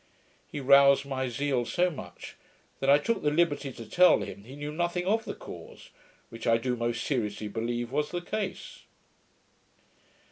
He roused my zeal so much that I took the liberty to tell him he knew nothing of the cause; which I do most seriously believe was the case.